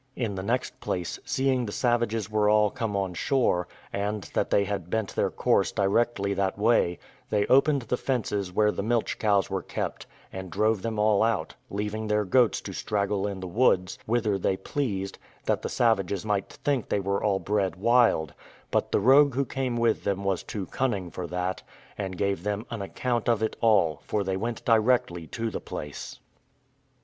In the next place, seeing the savages were all come on shore, and that they had bent their course directly that way, they opened the fences where the milch cows were kept, and drove them all out; leaving their goats to straggle in the woods, whither they pleased, that the savages might think they were all bred wild; but the rogue who came with them was too cunning for that, and gave them an account of it all, for they went directly to the place.